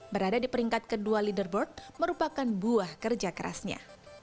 berada di peringkat kedua leaderboard merupakan buah kerja kerasnya